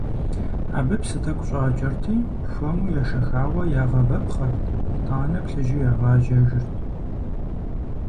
Абы псы тӏэкӏу щӏакӏэрти, хуэму ешэхауэ, ягъэвэпхъырт, итӏанэ плъыжьу ягъэжьэжырт.